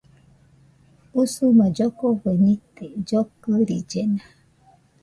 Usuma llokofe nite, llokɨrillena